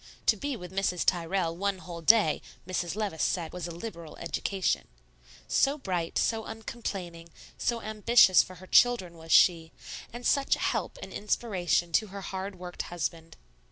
To be with Mrs. Tyrrell one whole day, Mrs. Levice said was a liberal education, so bright, so uncomplaining, so ambitious for her children was she, and such a help and inspiration to her hard worked husband.